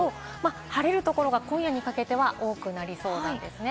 晴れるところが今夜にかけては多くなりそうなんですね。